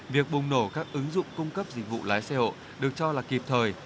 việc bùng nổ các ứng dụng cung cấp dịch vụ lái xe hộ được cho là kịp thời